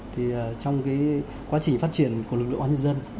trong quá trình phát triển của lực lượng an nhân dân